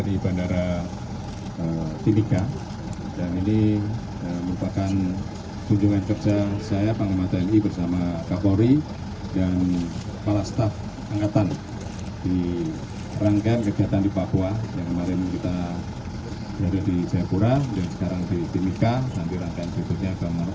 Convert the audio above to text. ini merupakan wujud percintaan kita semuanya pak jenderal polri masyarakat papua